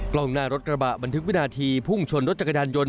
กล้องหน้ารถกระบะบันทึกวินาทีพุ่งชนรถจักรยานยนต